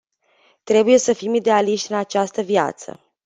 Trebuie să fim idealiști în această viață.